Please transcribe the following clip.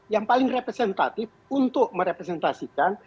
yang paling representatif untuk merepresentasikan